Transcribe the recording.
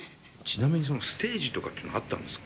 ちなみにそのステージとかっていうのはあったんですか？